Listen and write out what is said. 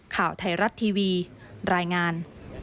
ข่าวไทยรัฐทีวีรายงาน